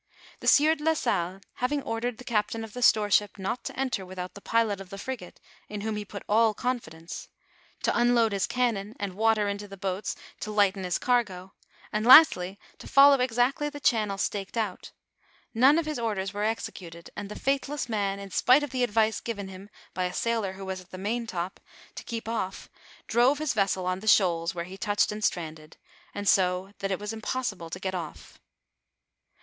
The sieur de la Salle having ordered the captain of the Btore ship not to enter without the pilot of the frigate, in whom he put all confidence, to unload his cfiinon and water into the boats to lighten his cargo, and lastly, to follow exactly the channel staked out ; none of his orders were exe cuted, and the faithless man, in spite of the advice given hira by a sailor who was at the main top, to keep off, drove his vessel on the shoals where he touched and stranded, so that it was impossible to get off.